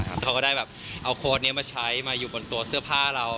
แล้วเขาก็ได้แบบเอาโค้ดนี้มาใช้มาอยู่บนตัวเสื้อผ้าเรา